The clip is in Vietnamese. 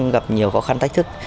gặp nhiều khó khăn thách thức